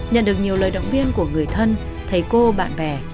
nhận được nhiều lời động viên của người thân thầy cô bạn bè